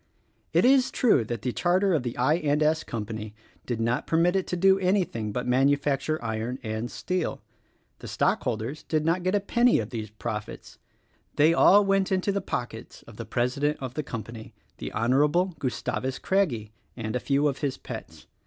It is true that the charter of the I. & S. Co. did not per mit it to do anything but manufacture iron and steel; the stockholders did not get a penny of these profits — they all went into the pockets of the president of the company, the Honorable Gustavus Craggie, and a few of his pets.